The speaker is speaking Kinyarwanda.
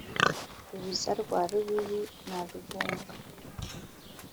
rubiza rwa rubibi na rubunga,